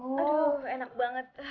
aduh enak banget